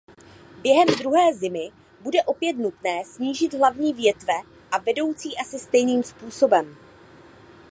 Během druhé zimy bude opět nutné snížit hlavní větve a vedoucí asi stejným způsobem.